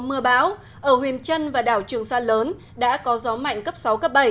mưa bão ở huyền trân và đảo trường sa lớn đã có gió mạnh cấp sáu cấp bảy